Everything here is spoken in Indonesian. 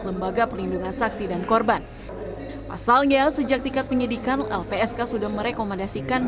lembaga pelindungan saksi dan korban pasalnya sejak tiket penyidikan lpsk sudah merekomendasikan